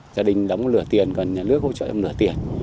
gia đình đóng lửa tiền còn nhà nước hỗ trợ lửa tiền